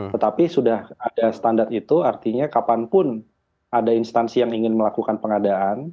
tetapi sudah ada standar itu artinya kapanpun ada instansi yang ingin melakukan pengadaan